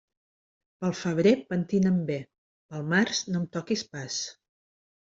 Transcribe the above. Pel febrer, pentina'm bé; pel març, no em toquis pas.